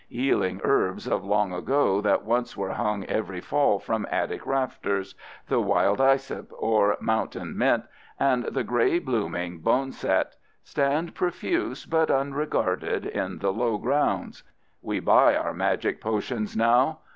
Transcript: Healing herbs of long ago that once were hung every fall from attic rafters—the "wild isep," or mountain mint, and the gray blooming boneset—stand profuse but unregarded in the lowgrounds. We buy our magic potions now.